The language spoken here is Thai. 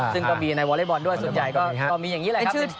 ซึ่งก็มีในวอเล็กบอลด้วยส่วนใหญ่ก็มีอย่างนี้แหละครับ